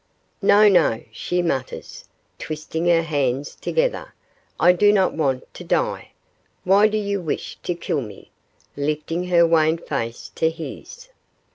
'No! no!' she mutters, twisting her hands together, 'I do not want to die; why do you wish to kill me?' lifting her wan face to his.